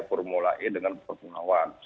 formula e dengan pertengahwan